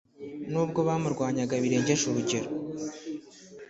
Nubwo bamurwanyaga birengeje urugero,